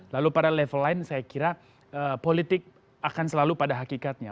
lalu pada level lain saya kira politik akan selalu pada hakikatnya